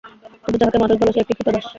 তুমি যাহাকে মানুষ বল, সে একটি ক্রীতদাস।